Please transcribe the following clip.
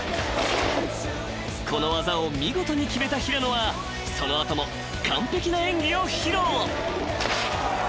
［この技を見事に決めた平野はその後も完璧な演技を披露］